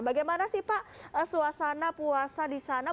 bagaimana sih pak suasana puasa di sana